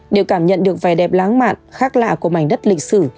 đều cảm nhận được vẻ đẹp láng mạn khác lạ của mảnh đất lịch sử